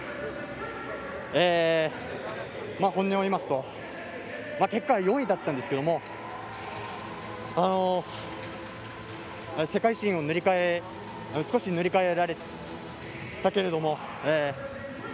本音を言いますと結果は４位だったんですけど世界新を少し塗り替えたけれども。